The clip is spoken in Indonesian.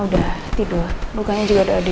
satu tahun satu malam ini